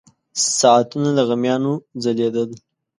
ساعتونه له غمیانو ځلېدل.